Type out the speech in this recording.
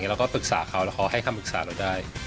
เราก็ปรึกษาเขาแล้วเขาให้คำปรึกษาเราได้